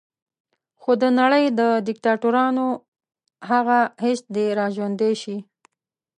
خو د نړۍ د دیکتاتورانو هغه حس دې را ژوندی شي.